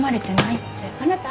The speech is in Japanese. あなた！